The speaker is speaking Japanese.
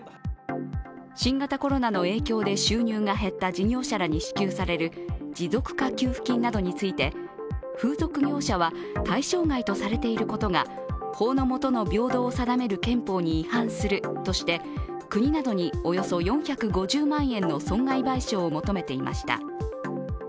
新型コロナの影響で収入が減った事業者らに支給される持続化給付金などについて風俗業者は対象外とされていることが法の下の平等を定める憲法に違反するとして国などにおよそ４５０万円の損害賠償を求めていました。